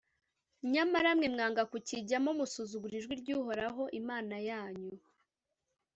nyamara mwe mwanga kukijyamo, musuzugura ijwi ry’uhoraho imana yanyu,